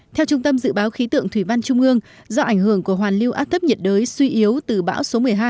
theo trung tâm dự báo khí tượng thủy văn trung ương do ảnh hưởng của hoàn lưu áp thấp nhiệt đới suy yếu từ bão số một mươi hai